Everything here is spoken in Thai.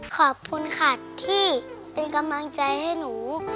ขอบคุณค่ะที่เป็นกำลังใจให้หนู